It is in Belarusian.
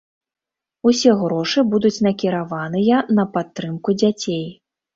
Усе грошы будуць накіраваныя на падтрымку дзяцей.